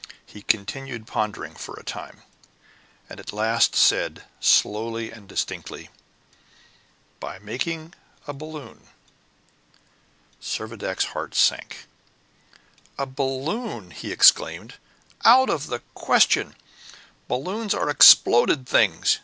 He continued pondering for a time, and at last said, slowly and distinctly, "By making a balloon!" Servadac's heart sank. "A balloon!" he exclaimed. "Out of the question! Balloons are exploded things.